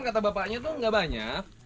kata bapaknya tuh gak banyak